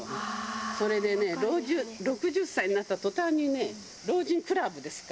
それでね、６０歳になったとたんにね、老人クラブですか？